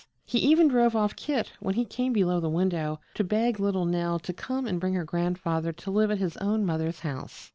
He even drove off Kit when he came below the window to beg little Nell to come and bring her grandfather to live at his own mother's house.